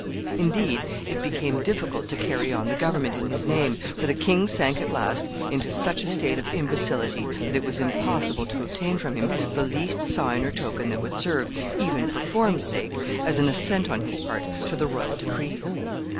Indeed, it became difficult to carry on the government in his name, for the king sank at last into such a state of imbecility that it was impossible to obtain from him the least sign or token that would serve, even for form's sake, as an assent on his part to the royal decrees.